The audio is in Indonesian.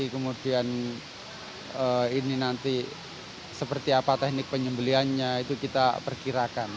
kemudian ini nanti seperti apa teknik penyembeliannya itu kita perkirakan